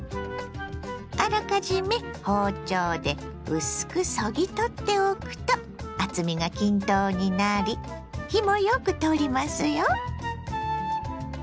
あらかじめ包丁で薄くそぎ取っておくと厚みが均等になり火もよく通りますよ。